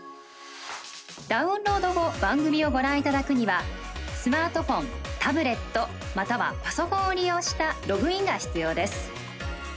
ダウンロード後番組をご覧いただくにはスマートフォン、タブレットまたはパソコンを利用したログインが必要です。